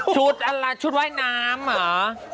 อะไรชุดว่ายน้ำเหรอ